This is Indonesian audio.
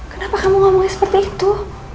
kenapa kamu ngomongnya seperti itu